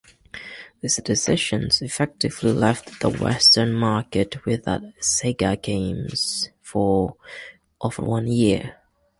This decision effectively left the Western market without Sega games for over one year.